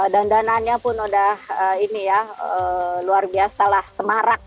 dandananya pun udah ini ya luar biasa lah semarak